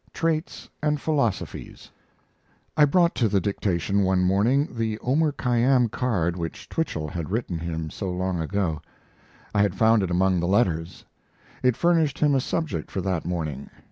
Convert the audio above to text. TRAITS AND PHILOSOPHIES I brought to the dictation one morning the Omar Khayyam card which Twichell had written him so long ago; I had found it among the letters. It furnished him a subject for that morning.